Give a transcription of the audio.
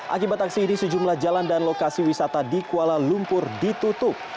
akibat aksi ini sejumlah jalan dan lokasi wisata di kuala lumpur ditutup